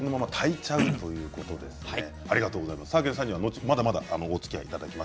さわけんさんに、まだまだおつきあいいただきます。